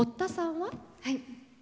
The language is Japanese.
はい。